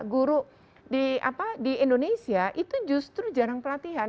guru di indonesia itu justru jarang pelatihan